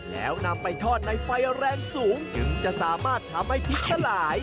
แล้วนำไปทอดในไฟแรงสูงจึงจะสามารถทำให้พริกสลาย